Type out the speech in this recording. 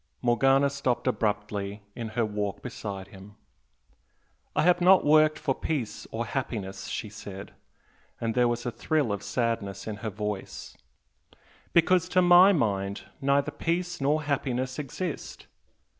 Morgana stopped abruptly in her walk beside him. "I have not worked for peace or happiness," she said and there was a thrill of sadness in her voice "because to my mind neither peace nor happiness exist.